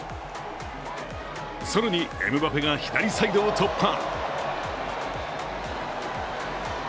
更に、エムバペが左サイドを突破。